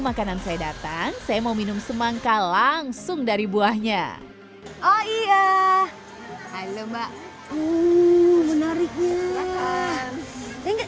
makanan saya datang saya mau minum semangka langsung dari buahnya oh iya halo mbak uh menariknya